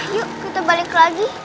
yuk kita balik lagi